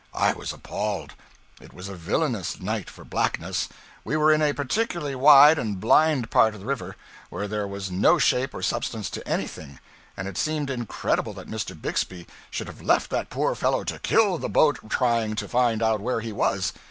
I was appalled; it was a villainous night for blackness, we were in a particularly wide and blind part of the river, where there was no shape or substance to anything, and it seemed incredible that Mr. Bixby should have left that poor fellow to kill the boat trying to find out where he was.